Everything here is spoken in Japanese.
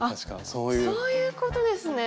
そういうことですね。